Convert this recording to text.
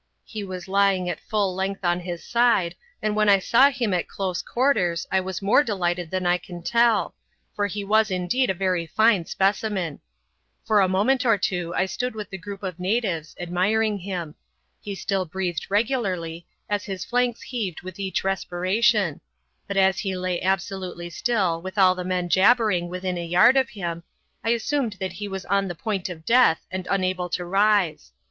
He was lying at full length on his side, and when I saw him at close quarters I was more delighted than I can tell, for he was indeed a very fine specimen. For a moment or two I stood with the group of natives, admiring him. He still breathed regularly, as his flanks heaved with each respiration; but as he lay absolutely still with all the men jabbering within a yard of him, I assumed that he was on the point of death and unable to rise.